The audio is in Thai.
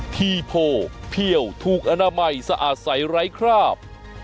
ทีโพเพี่ยวถูกอนามัยสะอาดใสไร้คราบ